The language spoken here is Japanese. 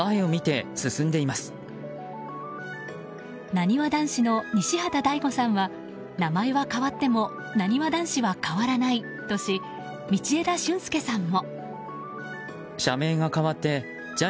なにわ男子の西畑大吾さんは名前は変わってもなにわ男子は変わらないとし道枝駿佑さんも。